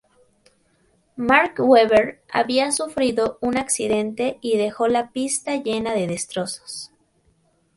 Mark Webber había sufrido un accidente y dejó la pista llena de destrozos.